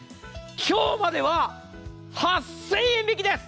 今日までは８０００円引きです。